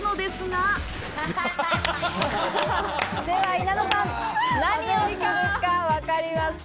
では稲田さん、何をするかわかりますか？